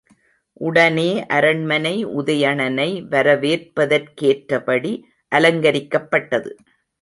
உடனே அரண்மனை உதயணனை வரவேற்பதற்கேற்றபடி அலங்கரிக்கப்பட்டது.